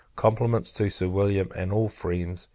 Compliments to Sir William, and all friends.